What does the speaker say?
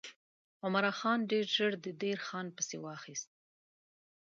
عمرا خان ډېر ژر د دیر خان پسې واخیست.